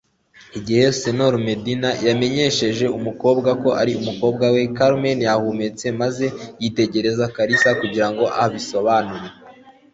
Igihe Señor Medena yamenyesheje umukobwa ko ari umukobwa we, Carmen yahumetse maze yitegereza Kalisa kugira ngo abisobanure.